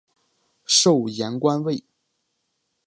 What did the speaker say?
授盐官尉。